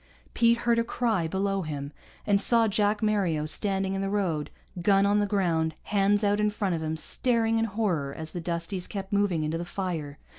Pete heard a cry below him, and saw Jack Mario standing in the road, gun on the ground, hands out in front of him, staring in horror as the Dusties kept moving into the fire.